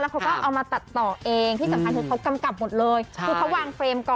กำกับด้วยกำกับตัวเองเล่น